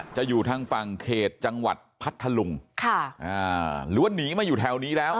อยู่ทางฝั่งเขตจังหวัดพัทธลุงค่ะอ่าหรือว่าหนีมาอยู่แถวนี้แล้ว